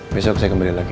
besok saya kembali lagi